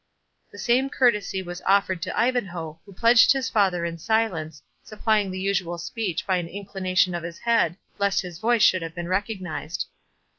The same courtesy was offered to Ivanhoe, who pledged his father in silence, supplying the usual speech by an inclination of his head, lest his voice should have been recognised.